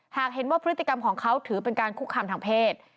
หากเห็นว่าพฤติกรรมของเขาถือเป็นการคุกคามทางเพศ